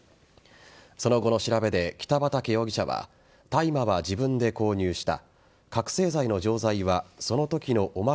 その後の調べで北畠容疑者は大麻は自分で購入した。